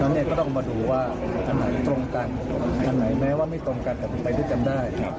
แล้วเนี่ยก็ต้องมาดูว่าอันไหนตรงกันอันไหนแม้ว่าไม่ตรงกันก็ไปด้วยกันได้ครับ